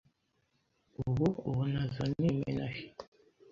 ubu ubunazo ni iminahi